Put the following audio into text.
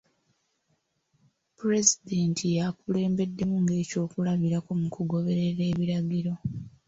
Pulezidenti y'akulembeddemu ng'ekyokulabirako mu kugoberera ebiragro.